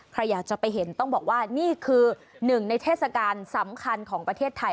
ใครอยากจะไปเห็นต้องบอกว่านี่คือหนึ่งในเทศกาลสำคัญของประเทศไทย